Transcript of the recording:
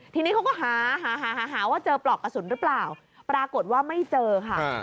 ทีนี้เขาก็หาหาว่าเจอปลอกกระสุนหรือเปล่าปรากฏว่าไม่เจอค่ะ